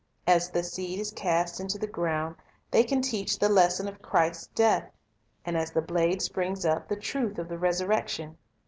As the seed is cast into the ground, they can teach the lesson of Christ's death; and as the blade springs up, the truth of the resurrection.